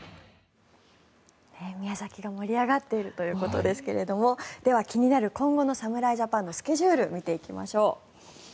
宮崎が盛り上がっているということですけどもでは、気になる今後の侍ジャパンのスケジュールを見ていきましょう。